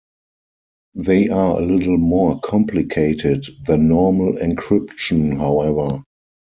They are a little more complicated than normal encryption however.